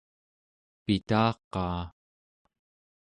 pitaqaa